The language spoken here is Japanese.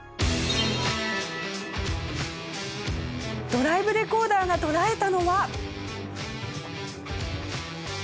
ドライブレコーダーが捉えたのは。